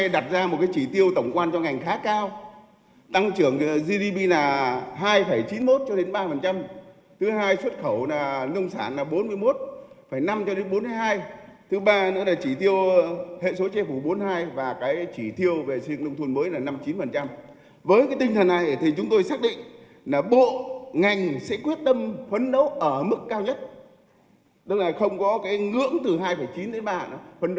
tức là không có cái ngưỡng từ hai chín đến ba phấn đấu thiếu tăng trường ba chẳng hạn